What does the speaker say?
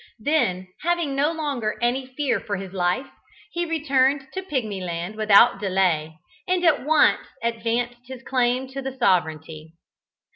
Then, having no longer any fear for his life, he returned to Pigmyland without delay, and at once advanced his claim to the sovereignty.